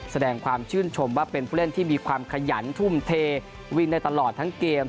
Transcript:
แสดงความชื่นชมว่าเป็นผู้เล่นที่มีความขยันทุ่มเทวินได้ตลอดทั้งเกม